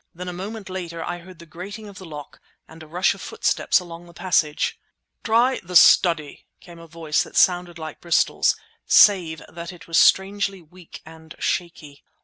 Then a moment later I heard the grating of the lock, and a rush of footsteps along the passage. "Try the study!" came a voice that sounded like Bristol's, save that it was strangely weak and shaky.